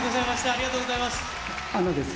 ありがとうございます。